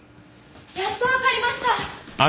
やっとわかりました！